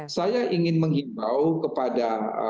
saya ingin menghibau kepada